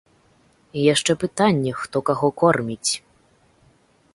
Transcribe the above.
І яшчэ пытанне, хто каго корміць.